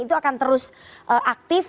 itu akan terus aktif